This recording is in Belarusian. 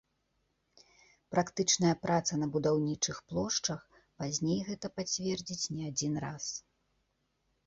Практычная праца на будаўнічых плошчах пазней гэта пацвердзіць не адзін раз.